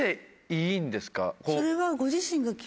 それは。